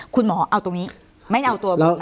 คุณหมอเอาตรงนี้ไม่เอาตัวหมดนะ